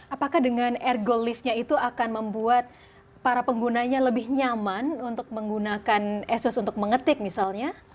apakah dengan ergo liftnya itu akan membuat para penggunanya lebih nyaman untuk menggunakan esos untuk mengetik misalnya